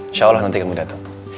insya allah nanti kamu dateng